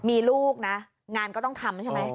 มีลูกนะงานก็ต้องทำใช่ไหม